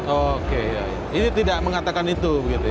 oke ini tidak mengatakan itu